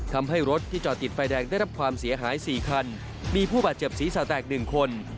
ทำให้รถที่จอดติดไฟแดงได้รับความเสียหาย๔คันมีผู้บาดเจ็บศีรษะแตก๑คน